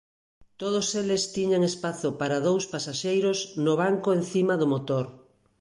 Todos eles tiñan espazo para dous pasaxeiros no banco encima do motor.